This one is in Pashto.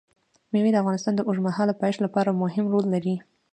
مېوې د افغانستان د اوږدمهاله پایښت لپاره مهم رول لري.